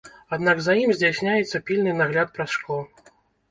Аднак за ім здзяйсняецца пільны нагляд праз шкло.